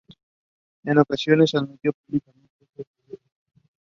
Hate Dept.